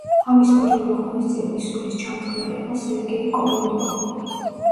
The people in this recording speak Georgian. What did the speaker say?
ამ ისტორიული ღონისძიების სულისჩამდგმელი იყო სერგეი კოროლიოვი.